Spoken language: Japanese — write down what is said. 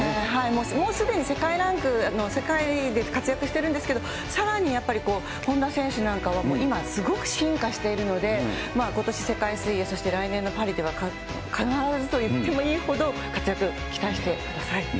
もうすでに世界ランク、世界で活躍してるんですけれども、さらにやっぱり本多選手なんかは、今、すごく進化しているので、ことし世界水泳、そして来年のパリでは、必ずと言ってもいいほど活躍、期待してください。